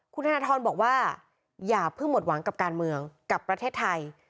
คุณธนทรบอกว่าอย่าเพิ่งหมดหวังกับการเมืองกับประเทศไทย